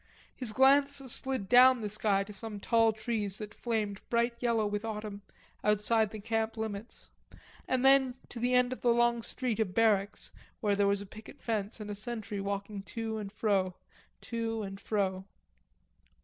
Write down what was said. His glance slid down the sky to some tall trees that flamed bright yellow with autumn outside the camp limits, and then to the end of the long street of barracks, where was a picket fence and a sentry walking to and fro, to and fro.